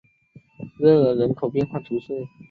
热尔人口变化图示